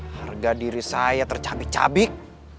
harga diri saya tercabik cabik